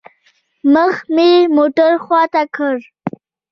مخ مې موټر خوا ته كړ.